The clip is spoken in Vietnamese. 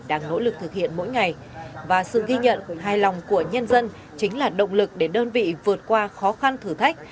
đang nỗ lực thực hiện mỗi ngày và sự ghi nhận hài lòng của nhân dân chính là động lực để đơn vị vượt qua khó khăn thử thách